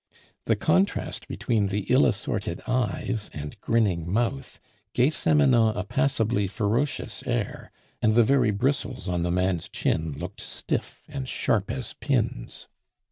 The contrast between the ill assorted eyes and grinning mouth gave Samanon a passably ferocious air; and the very bristles on the man's chin looked stiff and sharp as pins.